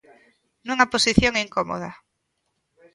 Nunha posición incómoda.